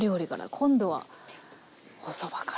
今度はおそばから。